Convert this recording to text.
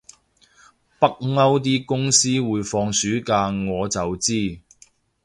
北歐啲公司會放暑假我就知